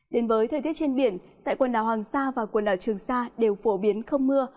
đến với thời tiết trên biển tại quần đảo hoàng sa và quần đảo trường sa đều phổ biến không mưa